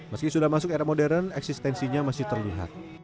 meski sudah masuk era modern eksistensinya masih terlihat